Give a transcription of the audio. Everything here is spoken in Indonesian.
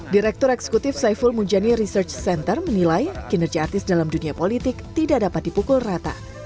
direktur eksekutif saiful mujani research center menilai kinerja artis dalam dunia politik tidak dapat dipukul rata